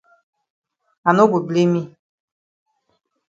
I no go blame yi.